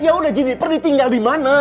saya udah tahu jeniper ditinggal di mana